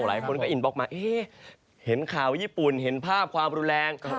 หลายคนก็อินบล็อกมาเห็นข่าวญี่ปุ่นเห็นภาพความรุนแรง